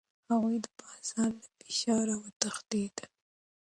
هغوی د بازار له فشاره وتښتېدل.